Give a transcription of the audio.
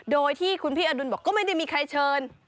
โดยที่คุณพี่อดุลบอกก็ไม่ได้มีใครเชิญ